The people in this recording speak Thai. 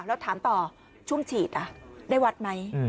แล้วถามต่อช่วงฉีดได้วัดไหม